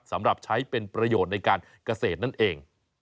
สำหรับใช้เป็นประโยชน์ในการเกษตรนั่นเอง